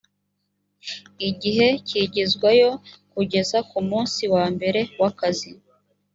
igihe cyigizwayo kugeza ku munsi wa mbere w’akazi